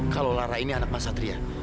kalau lara ini anak mas satria